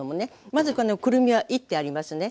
まずこのくるみはいってありますね。